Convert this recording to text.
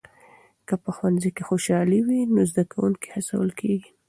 که په ښوونځي کې خوشالي وي نو زده کوونکي هڅول کېږي.